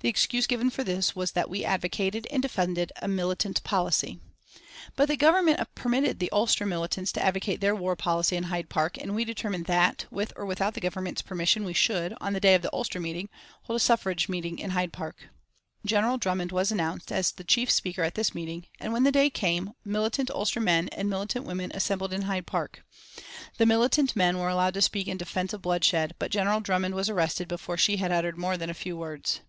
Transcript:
The excuse given for this was that we advocated and defended a militant policy. But the Government permitted the Ulster militants to advocate their war policy in Hyde Park, and we determined that, with or without the Government's permission, we should, on the day of the Ulster meeting, hold a suffrage meeting in Hyde Park. General Drummond was announced as the chief speaker at this meeting, and when the day came, militant Ulster men and militant women assembled in Hyde Park. The militant men were allowed to speak in defence of bloodshed; but General Drummond was arrested before she had uttered more than a few words.